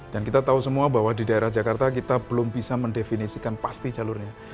dan kita tahu semua bahwa di daerah jakarta kita belum bisa mendefinisikan pasti jalurnya